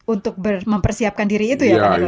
untuk mempersiapkan diri itu ya pak nero ya